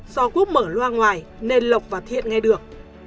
do quốc mở loa ngoài nên lộc và thiện nghe được